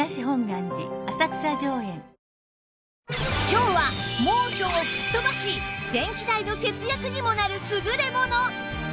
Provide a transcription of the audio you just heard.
今日は猛暑を吹っ飛ばし電気代の節約にもなる優れもの